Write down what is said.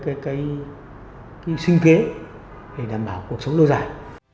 là cho em có một cái sinh kế để đảm bảo cuộc sống lâu dài